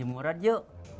aja murad yuk